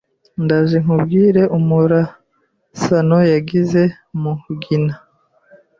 Ndaje nkubwire umurasano yagize Mugina